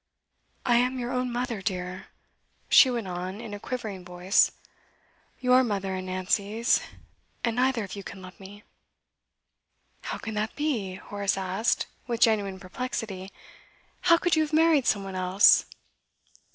'I am your own mother, dear,' she went on, in a quivering voice. 'Your mother and Nancy's. And neither of you can love me.' 'How can that be?' Horace asked, with genuine perplexity. 'How could you have married some one else?